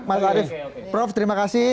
mas arief prof terima kasih